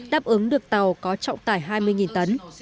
đáp ứng được tàu có trọng tải hai mươi tấn